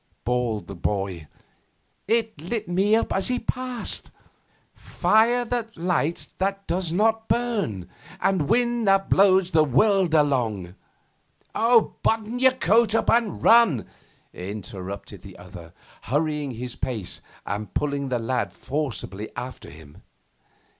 bawled the boy. 'It lit me up as he passed fire that lights but does not burn, and wind that blows the world along ' 'Button your coat and run!' interrupted the other, hurrying his pace, and pulling the lad forcibly after him.